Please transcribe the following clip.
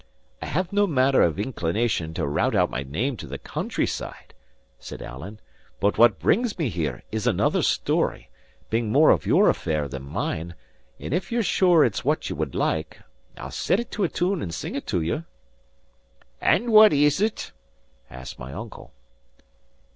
"I have no manner of inclination to rowt out my name to the country side," said Alan; "but what brings me here is another story, being more of your affair than mine; and if ye're sure it's what ye would like, I'll set it to a tune and sing it to you." "And what is't?" asked my uncle.